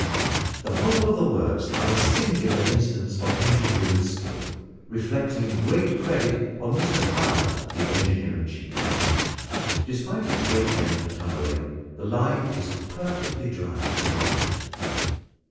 The whole of the works are a singular instance of engineering skill, reflecting great credit on Mr Fowler, the engineer in chief. Despite its great length of tunnelling the line is perfectly dry throughout.